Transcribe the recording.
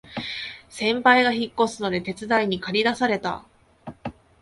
先輩が引っ越すので手伝いにかり出された